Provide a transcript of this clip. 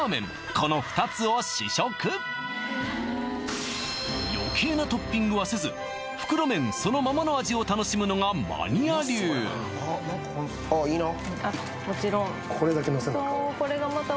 この２つを試食余計なトッピングはせず袋麺そのままの味を楽しむのがマニア流あっいいなこれだけのせなあかんわ